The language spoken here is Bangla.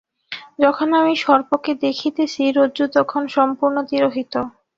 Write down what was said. যখন আমি সর্পকে দেখিতেছি, রজ্জু তখন সম্পূর্ণ তিরোহিত।